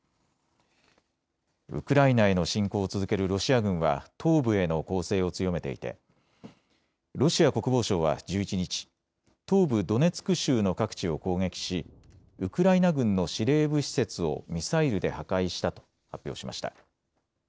ウクライナへの侵攻を続けるロシア軍は東部への攻勢を強めていてロシア国防省は１１日、東部ドネツク州の各地を攻撃しウクライナ軍の司令部施設をミサイルで破壊したと発表しました。